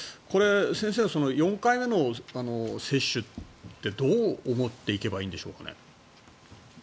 先生、４回目の接種ってどう思っていけばいいんでしょうか。